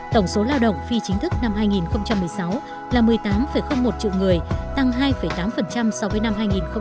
tổng số lao động phi chính thức năm hai nghìn một mươi sáu là một mươi tám một triệu người tăng hai tám so với năm hai nghìn một mươi bảy